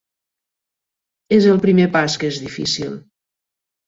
És el primer pas que és difícil.